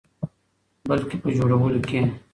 بلکې په جوړولو کې.